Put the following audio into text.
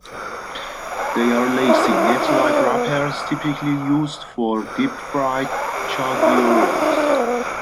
They are lacy, net-like wrappers typically used for deep-fried cha gio rolls.